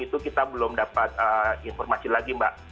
itu kita belum dapat informasi lagi mbak